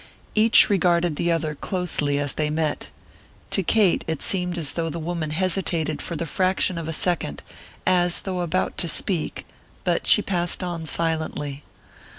Each regarded the other closely as they met. To Kate it seemed as though the woman hesitated for the fraction of a second, as though about to speak, but she passed on silently.